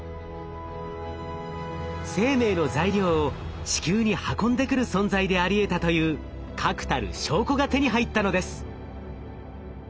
生命の材料を地球に運んでくる存在でありえたという確たる証拠が手に入ったのです。